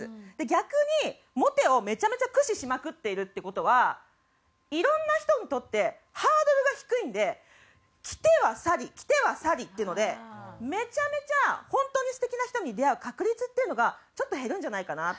逆にモテをめちゃめちゃ駆使しまくっているって事はいろんな人にとってハードルが低いんで来ては去り来ては去りっていうのでめちゃめちゃ本当に素敵な人に出会う確率っていうのがちょっと減るんじゃないかな。